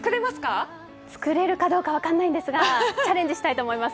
作れるかどうか分からないんですがチャレンジしたいと思います。